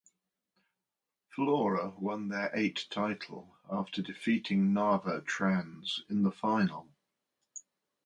Flora won their eight title after defeating Narva Trans in the final.